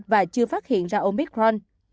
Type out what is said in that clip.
và chưa phát hiện ra omicron